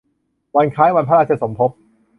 วันคล้ายวันพระราชสมภพ